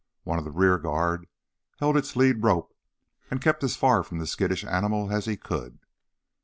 One of the rear guard held its lead rope and kept as far from the skittish animal as he could.